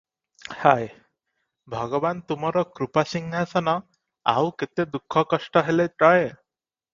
ହାୟ! ଭଗବାନ୍ ତୁମର କୃପାସିଂହାସନ ଆଉ କେତେ ଦୁଃଖ କଷ୍ଟ ହେଲେ ଟଳେ?